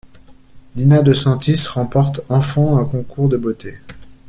Dina De Santis remporte enfant un concours de beauté.